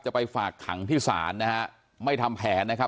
ไปฝากขังที่ศาลนะฮะไม่ทำแผนนะครับ